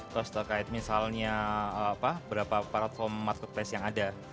terus terkait misalnya berapa platform marketplace yang ada